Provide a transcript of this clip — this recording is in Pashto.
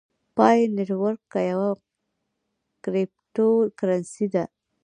پای نیټورک یوه کریپټو کرنسۍ ده